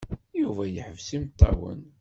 Yuba yeḥbes imeṭṭawen.